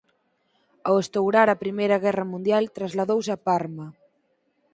Ao estourar a Primeira Guerra Mundial trasladouse a Parma.